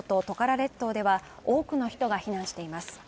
トカラ列島では多くの人が避難しています。